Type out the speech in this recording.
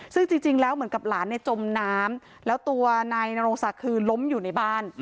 ซึ่งจริงแล้วเหมือนกับหลานเนี่ยจมน้ำแล้วตัวนายนโรงศักดิ์คือล้มอยู่ในบ้าน